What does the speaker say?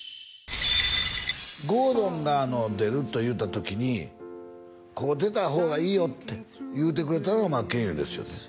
郷敦が出るというた時にここ出た方がいいよって言うてくれたのが真剣佑ですよね